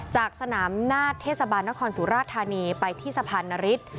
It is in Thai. จากสนามหน้าเทศบาลนครสุราธานีไปที่สะพานนฤทธิ์